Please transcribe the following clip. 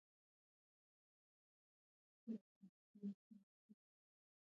مېوې د افغان کورنیو د دودونو مهم عنصر دی.